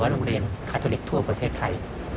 โรงเรียนคาทอลิกทั่วประเทศไทย